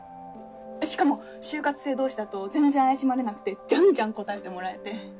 しかも就活生同士だと全然怪しまれなくてじゃんじゃん答えてもらえて。